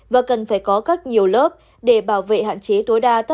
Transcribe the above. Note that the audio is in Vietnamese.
và cần phải có các nhiều lớp để bảo vệ hạn chế tối đa